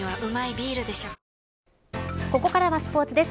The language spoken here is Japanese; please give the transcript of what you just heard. ここからスポーツです。